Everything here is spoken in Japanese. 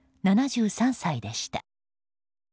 ７３歳でした。